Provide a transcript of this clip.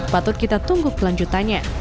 patut kita tunggu kelanjutannya